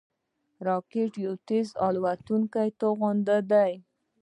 راکټ یو تېز الوتونکی توغندی دی